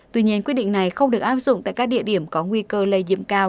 tuy nhiên quyết định này không được áp dụng tại các địa điểm có nguy cơ lây nhiễm cao